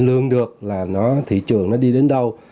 lương được là nó thị trường nó đi đến đâu